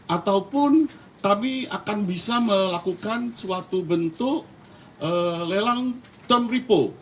ataupun kami akan bisa melakukan suatu bentuk lelang term repo